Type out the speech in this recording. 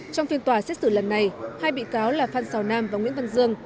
trong phiên tòa xét xử lần này hai bị cáo là phan xào nam và nguyễn văn dương